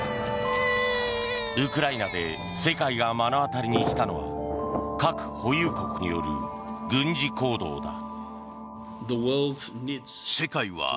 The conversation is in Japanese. ウクライナで世界が目の当たりにしたのは核保有国による軍事行動だ。